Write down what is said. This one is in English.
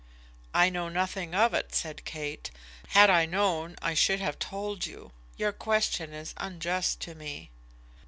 "I know nothing of it," said Kate. "Had I known I should have told you. Your question is unjust to me."